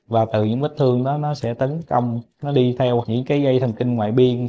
và từ những vết thương đó nó sẽ tấn công nó đi theo những cái gây thần kinh ngoài biên